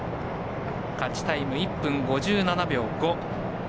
勝ちタイム１分５７秒５。